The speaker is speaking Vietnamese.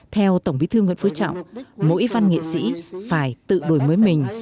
theo tổng bí thư nguyễn phú trọng mỗi văn nghệ sĩ phải tự đổi mới mình